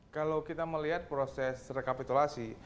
kalau kita melihat proses rekapitulasi